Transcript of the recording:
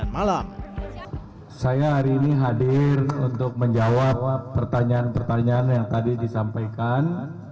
malam saya hari ini hadir untuk menjawab pertanyaan pertanyaan yang tadi disampaikan